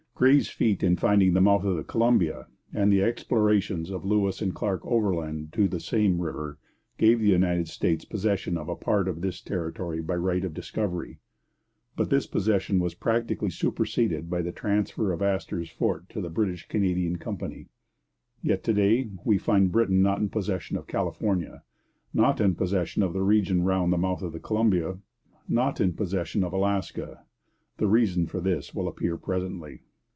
Gray's feat in finding the mouth of the Columbia, and the explorations of Lewis and Clark overland to the same river, gave the United States possession of a part of this territory by right of discovery; but this possession was practically superseded by the transfer of Astor's fort to the British Canadian Company. Yet, to day, we find Britain not in possession of California, not in possession of the region round the mouth of the Columbia, not in possession of Alaska. The reason for this will appear presently.